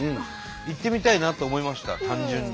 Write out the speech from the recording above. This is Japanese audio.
行ってみたいなと思いました単純に。